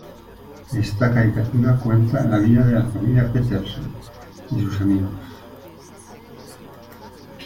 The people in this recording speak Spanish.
Esta caricatura cuenta la vida de la familia "Patterson" y sus amigos.